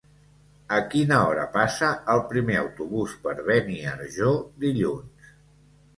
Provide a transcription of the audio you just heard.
A quina hora passa el primer autobús per Beniarjó dilluns?